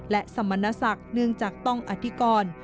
และสมณศักดิ์เนื่องจากต้องอธิกร